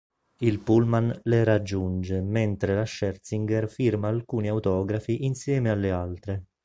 Il pullman le raggiunge mentre la Scherzinger firma alcuni autografi insieme alle altre.